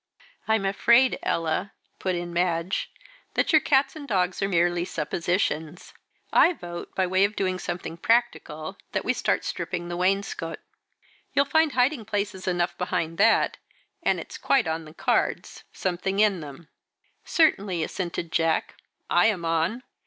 "I'm afraid, Ella," put in Madge, "that your cats and dogs are merely suppositions. I vote, by way of doing something practical, that we start stripping the wainscot. You'll find hiding places enough' behind that, and it's quite on the cards, something in them." "Certainly," assented Jack, "I am on.